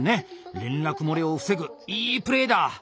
連絡漏れを防ぐいいプレーだ！